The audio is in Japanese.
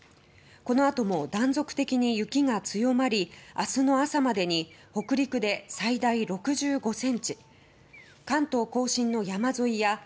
このあとも断続的に雪が強まり明日の朝までに北陸で最大６５ｃｍ関東・甲信の山沿いや